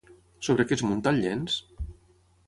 Sobre què es munta el llenç?